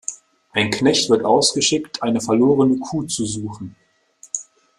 Ein Knecht wird ausgeschickt, eine verlorene Kuh zu suchen.